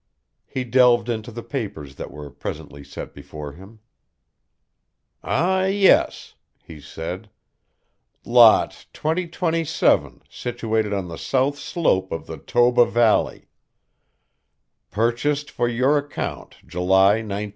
He delved into the papers that were presently set before him. "Ah, yes," he said. "Lot 2027 situated on the south slope of the Toba Valley. Purchased for your account July, 1912.